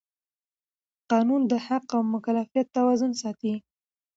قانون د حق او مکلفیت توازن ساتي.